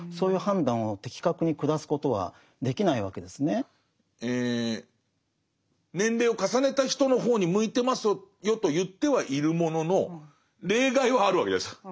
そうすると年齢を重ねた人の方に向いてますよと言ってはいるものの例外はあるわけじゃないですか